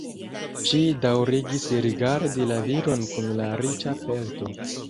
Ŝi daŭrigis rigardi la viron kun la riĉa pelto.